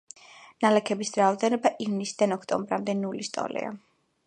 ნალექების რაოდენობა ივნისიდან ოქტომბრამდე ნულის ტოლია.